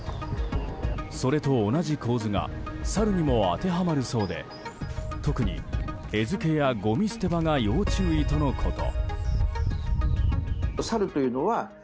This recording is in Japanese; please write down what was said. それと同じ構図がサルにも当てはまるそうで特に、餌付けやごみ捨て場が要注意とのこと。